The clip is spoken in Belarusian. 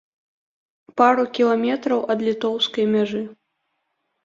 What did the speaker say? Пару кіламетраў ад літоўскай мяжы.